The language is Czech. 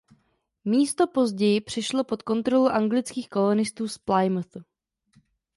Místo později přešlo pod kontrolu anglických kolonistů z Plymouthu.